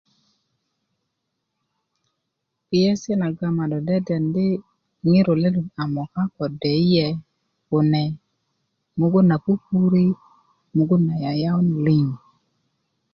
kpiyasi' nagoŋ ma do deden di ŋiro lelut a noka ko deyiye kune mugun na pupuri' mugun na yayawun liŋ